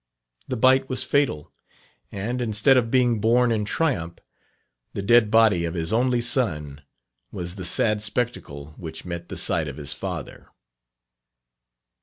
The bite was fatal; and, instead of being borne in triumph, the dead body of his only son was the sad spectacle which met the sight of his father."